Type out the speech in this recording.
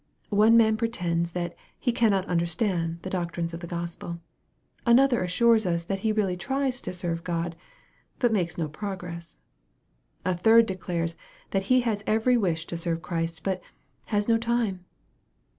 One man pretends that he " cannot understand" the doctrines of the Gospel. Another assures us that he really " tries" to serve God, but makes no progress. A third declares that he has every wish to serve Christ, but " has no time."